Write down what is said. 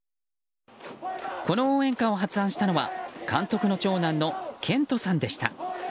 この応援歌を発案したのは監督の長男の賢人さんでした。